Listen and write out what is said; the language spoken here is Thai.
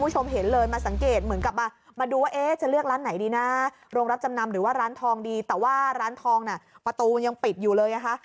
หรือว่าร้านทองดีแต่ว่าร้านทองน่ะประตูยังปิดอยู่เลยอ่ะค่ะ